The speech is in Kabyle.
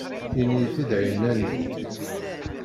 Ini-yi-t-id ɛinani.